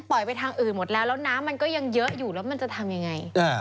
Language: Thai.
ไปทางอื่นหมดแล้วแล้วน้ำมันก็ยังเยอะอยู่แล้วมันจะทำยังไง